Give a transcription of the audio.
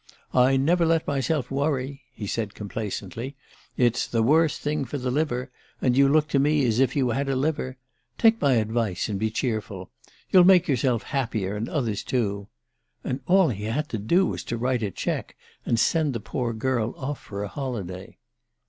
'I never let myself worry,' he said complacently. 'It's the worst thing for the liver and you look to me as if you had a liver. Take my advice and be cheerful. You'll make yourself happier and others too.' And all he had to do was to write a cheque, and send the poor girl off for a holiday!